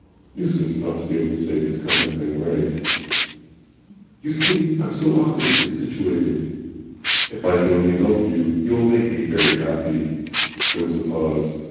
(Nuisance not to be able to say this kind of thing right.) "You see, I am so awkwardly situated." "If I can only help you you will make me very happy " There was a pause.